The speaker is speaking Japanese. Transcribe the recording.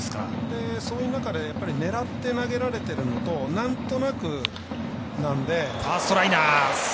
その中で狙って投げられてるのとなんとなくなので。